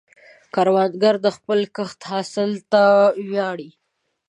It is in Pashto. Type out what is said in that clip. کروندګر د خپل کښت حاصل ته ویاړي